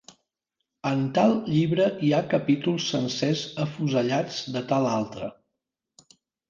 En tal llibre hi ha capítols sencers afusellats de tal altre.